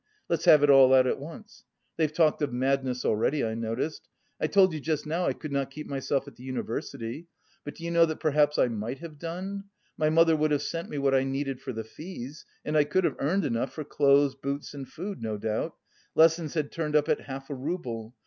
(Let's have it all out at once! They've talked of madness already, I noticed.) I told you just now I could not keep myself at the university. But do you know that perhaps I might have done? My mother would have sent me what I needed for the fees and I could have earned enough for clothes, boots and food, no doubt. Lessons had turned up at half a rouble.